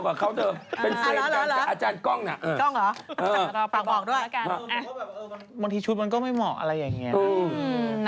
กล้องนะกล้องหรอกล้องหลอกด้วยภาพบอกด้วยบางทีชุดมันก็ไม่เหมาะอะไรอย่างเงี้ยนะ